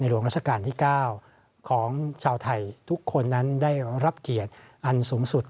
หลวงราชการที่๙ของชาวไทยทุกคนนั้นได้รับเกียรติอันสูงสุด